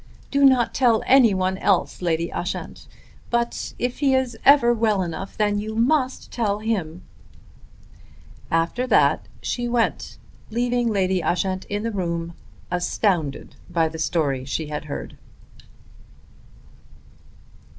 Do not tell anyone else, Lady Ushant; but if he is ever well enough then you must tell him." After that she went, leaving Lady Ushant in the room astounded by the story she had heard.